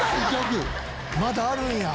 「まだあるんや」